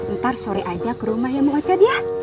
ntar sore aja ke rumah ya mak ocad yah